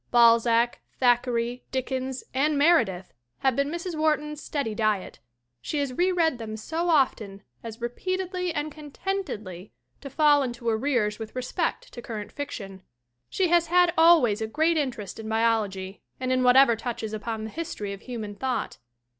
Balzac, Thackeray, Dickens and Meredith have been Mrs. Wharton's steady diet; she has re read them so often as repeat edly and contentedly to fall into arrears with respect to current fiction. She has had always a great interest in biology and in whatever touches upon the history of human thought.